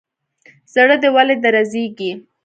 زړه دي ولي درزيږي.